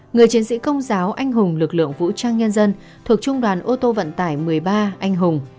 người chiến sĩ công giáo anh hùng lực lượng vũ trang nhân dân thuộc trung đoàn ô tô vận tải một mươi ba anh hùng